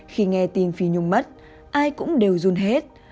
khi nghe tin phi nhung mất ai cũng đều run hết